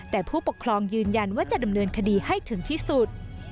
แต่ผู้ปกครองยืนยันว่าจะดำเนินคดีให้ถึงที่สุด